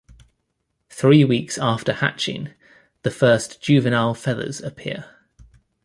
Three weeks after hatching, the first juvenile feathers appear.